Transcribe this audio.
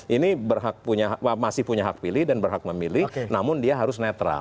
ini masih punya hak pilih dan berhak memilih namun dia harus netral